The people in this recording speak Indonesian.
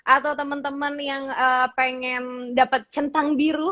atau temen temen yang pengen dapet centang biru